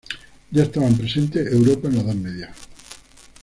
Ya estaban presentes Europa en la Edad Media.